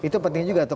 itu penting juga tuh